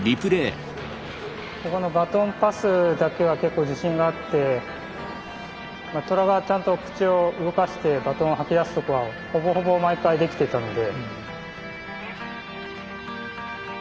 ここのバトンパスだけは結構自信があってトラがちゃんと口を動かしてバトンを吐き出すとこはほぼほぼ毎回できてたので。